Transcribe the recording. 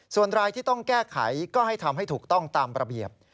ส่วนรายที่ต้องแก้ไขก็ให้ทำให้ถูกต้องตามระเบียบ